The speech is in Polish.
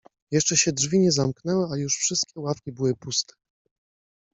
Jeszcze się drzwi nie zamknęły, a już wszystkie ławki były puste.